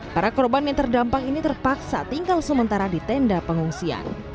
para korban yang terdampak ini terpaksa tinggal sementara di tenda pengungsian